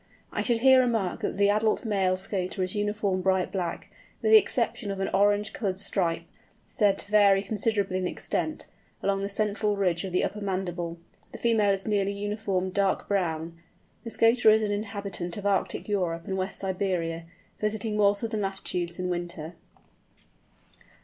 I should here remark that the adult male Scoter is uniform bright black, with the exception of an orange coloured stripe—said to vary considerably in extent—along the central ridge of the upper mandible. The female is nearly uniform dark brown. The Scoter is an inhabitant of Arctic Europe and West Siberia, visiting more southern latitudes in winter.